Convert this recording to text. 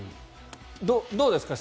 どうですか？